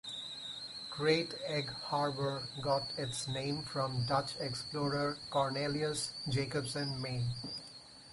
Great Egg Harbor got its name from Dutch explorer Cornelius Jacobsen Mey.